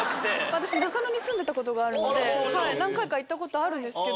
私中野に住んでた事があるので何回か行った事あるんですけど。